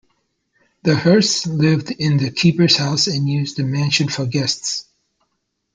The Hearst's lived in the keeper's house and used the mansion for guests.